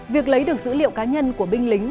việc lấy được dữ liệu cá nhân của binh lính